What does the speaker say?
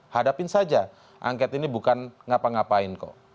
hadapin saja angket ini bukan ngapa ngapain kok